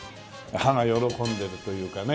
歯が喜んでるというかね。